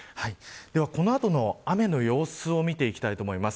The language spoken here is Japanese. この後の雨の様子を見ていきたいと思います。